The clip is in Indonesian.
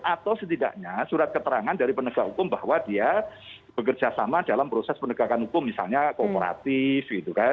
atau setidaknya surat keterangan dari penegak hukum bahwa dia bekerja sama dalam proses penegakan hukum misalnya kooperatif